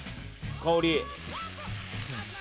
香り。